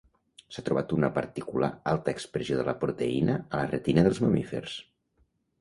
S’ha trobat una particular alta expressió de la proteïna a la retina dels mamífers.